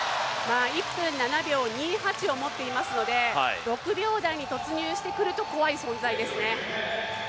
１分７秒２８を持っていますので６秒台に突入してくると怖い存在ですね。